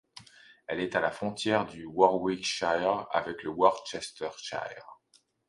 Il est à la frontière du Warwickshire avec le Worcestershire.